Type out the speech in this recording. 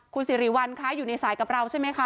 คุณสิริวัลคะอยู่ในสายกับเราใช่ไหมคะ